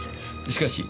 しかし。